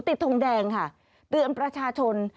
ทงแดงค่ะเตือนประชาชน